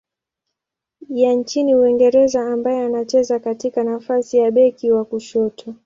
ya nchini Uingereza ambaye anacheza katika nafasi ya beki wa kushoto.